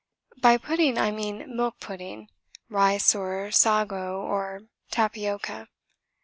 By pudding I mean milk pudding rice or sago or tapioca.